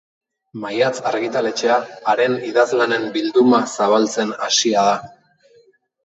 Maiatz argitaletxea haren idazlanen bilduma zabaltzen hasia da.